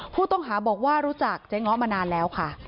ผู้ต้องหาบอกว่ารู้จักเจ๊ง้อมานานแล้วค่ะ